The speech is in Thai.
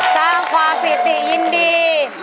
ต่างความสีดรียินดี